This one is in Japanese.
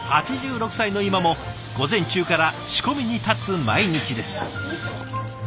８６歳の今も午前中から仕込みに立つ毎日です。